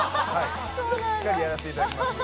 しっかりやらせていただきます。